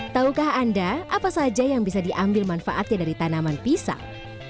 taukah anda apa saja yang bisa diambil manfaatnya dari tanaman pisang